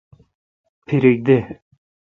پھریک دہ۔